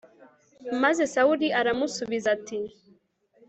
maze sawuli aramusubiza ati